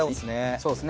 そうですね